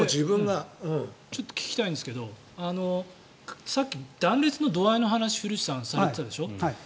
ちょっと聞きたいんですがさっき断裂の度合いの話古内さんされてたでしょ。